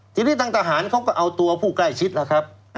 ทีนี้ทางทหารเขาก็เอาตัวผู้ใกล้ชิดแล้วครับ